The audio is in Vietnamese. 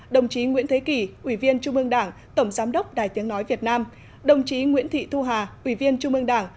đồng chí nguyễn thế kỳ ủy viên trung mương đảng tổng giám đốc đài tiếng nói việt nam đồng chí nguyễn thị thu hà ủy viên trung mương đảng